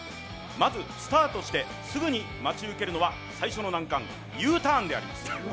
まず、スタートしてすぐに待ち受けるのは最初の難関、Ｕターンであります。